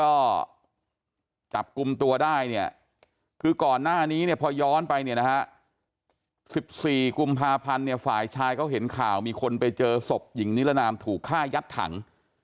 ก็จับกลุ่มตัวได้เนี่ยคือก่อนหน้านี้เนี่ยพอย้อนไปเนี่ยนะฮะ๑๔กุมภาพันธ์เนี่ยฝ่ายชายเขาเห็นข่าวมีคนไปเจอศพหญิงนิรนามถูกฆ่ายัดถัง